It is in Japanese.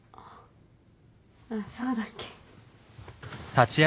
あっそうだっけ？